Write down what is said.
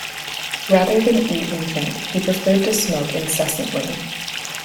Rather than eat and drink, he preferred to smoke incessantly